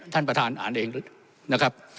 ท่านประธานอ่านเองนะครับ